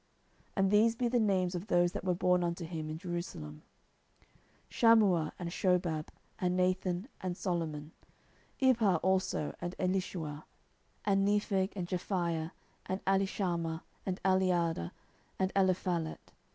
10:005:014 And these be the names of those that were born unto him in Jerusalem; Shammuah, and Shobab, and Nathan, and Solomon, 10:005:015 Ibhar also, and Elishua, and Nepheg, and Japhia, 10:005:016 And Elishama, and Eliada, and Eliphalet.